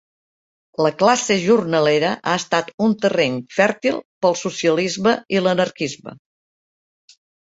La classe "jornalera" ha estat un terreny fèrtil pel socialisme i l'anarquisme.